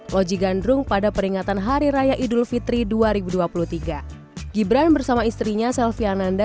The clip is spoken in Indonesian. loji gandrung pada peringatan hari raya idul fitri dua ribu dua puluh tiga gibran bersama istrinya selvi ananda